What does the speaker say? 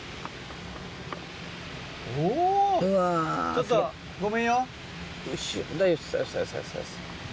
おぉちょっとごめんよ。